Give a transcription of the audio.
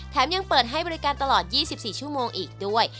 ยังเปิดให้บริการตลอด๒๔ชั่วโมงอีกด้วย